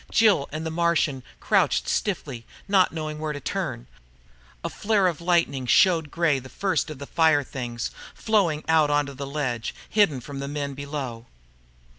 Jill and the Martian crouched stiffly, not knowing where to turn. A flare of lightning showed Gray the first of the firethings, flowing out onto the ledge, hidden from the men below.